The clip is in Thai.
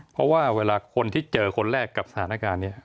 เพราะว่าเวลาคนที่เจอคนแรกกับสถานการณ์นี้